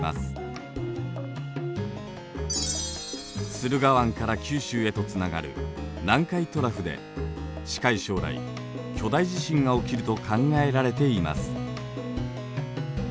駿河湾から九州へとつながる「南海トラフ」で近い将来巨大地震が起きると考えられています。